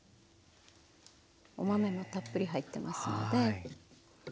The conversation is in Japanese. お豆もたっぷり入ってますので。